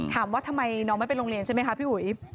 ถามว่าทำไมน้องไม่ไปโรงเรียนใช่ไหมคะพี่อุ๋ย